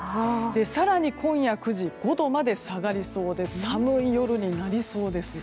更に、今夜９時５度まで下がるそうで寒い夜になりそうです。